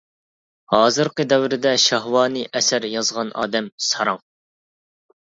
ھازىرقى دەۋردە شەھۋانىي ئەسەر يازغان ئادەم ساراڭ.